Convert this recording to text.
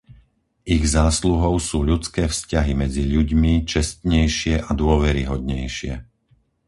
Ich zásluhou sú ľudské vzťahy medzi ľuďmi čestnejšie a dôveryhodnejšie.